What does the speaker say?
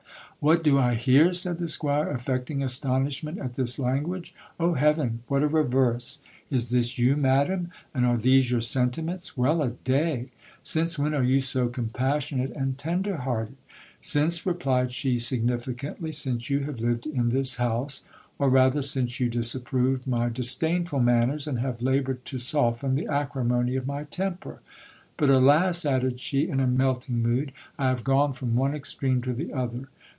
What do I hear ? said the squire, affecting astonishment at this language ; oh heaven, what a reverse ! Is this you, madam, and are these your sentiments ? Well a day ! Since when are you so compassionate and tender hearted ? Since, replied she significantly, since you have lived in this house, or rather since you disapproved my disdainful manners, and have laboured to soften the acrimony of my temper. But, alas ! added she, in a melting mood, I have gone from one extreme to the other.